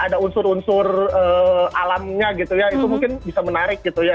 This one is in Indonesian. ada unsur unsur alamnya gitu ya itu mungkin bisa menarik gitu ya